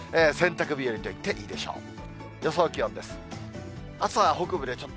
洗濯日和といっていいでしょう。